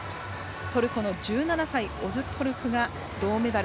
トルコの１７歳オズトォルクが銅メダル。